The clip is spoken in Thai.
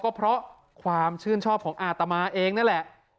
ก็เพราะความชื่นชอบของอาตมาเองนั่นแหละ